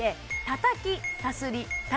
たたきさすり